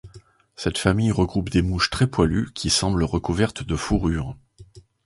Cette famille regroupe des mouches très poilues qui semblent recouvertes de fourrure.